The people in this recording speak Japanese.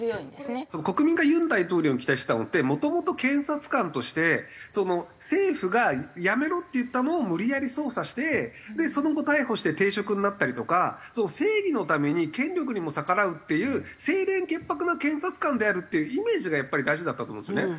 国民が尹大統領に期待してたのってもともと検察官として政府がやめろって言ったのを無理やり捜査してその後逮捕して停職になったりとか正義のために権力にも逆らうっていう清廉潔白な検察官であるっていうイメージがやっぱり大事だったと思うんですよね。